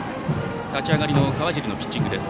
立ち上がりの川尻のピッチングです。